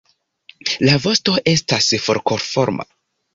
La vosto estas forkoforma.